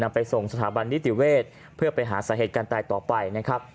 ไปส่งสถาบันนิติเวศเพื่อไปหาสาเหตุการณ์ตายต่อไปนะครับ